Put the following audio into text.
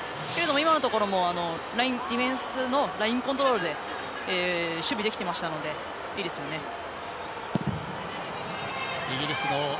今のところもディフェンスのラインコントロールで守備できてましたのでイギリスもね。